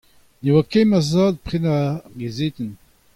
Ne oa ket ma zad o prenañ ar gazetenn.